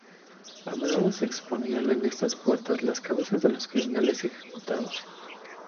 A menudo se exponían en esta puerta las cabezas de los criminales ejecutados.